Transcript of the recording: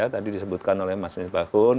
tadi disebutkan oleh mas misbahun